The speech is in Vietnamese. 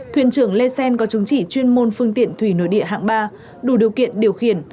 thuyền trưởng lê xen có chứng chỉ chuyên môn phương tiện thủy nội địa hạng ba đủ điều kiện điều khiển